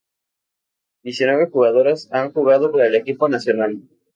Diecinueve jugadoras han jugado para el equipo nacional.